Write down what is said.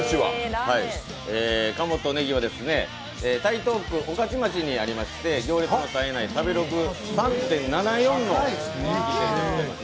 鴨ｔｏ葱は台東区御徒町にあります、行列が絶えない食べログ３．７４の人気店でございます。